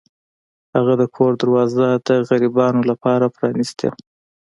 هغه د کور دروازه د غریبانو لپاره پرانیستې وه.